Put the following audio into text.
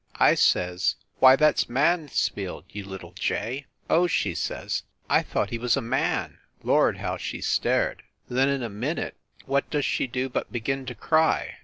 I says, u Why, that s Mansfield, you little jay!" "Oh," she says, "I thought he was a man!" Lord, how she stared! Then in a minute what does she do but begin to cry.